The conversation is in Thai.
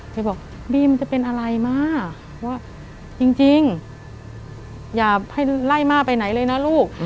บอกบีมจะเป็นอะไรม่าว่าจริงอย่าให้ไล่ม่าไปไหนเลยนะลูก